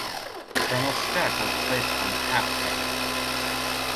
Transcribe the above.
Colonel Stack was placed on half-pay.